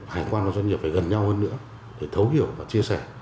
hải quan và doanh nghiệp phải gần nhau hơn nữa để thấu hiểu và chia sẻ